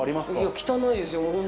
汚いですよ。